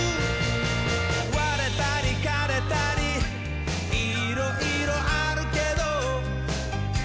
「われたりかれたりいろいろあるけど」